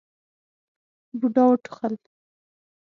بوډا وټوخل.